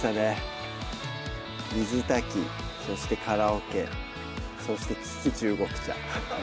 水炊きそしてカラオケそして利き中国茶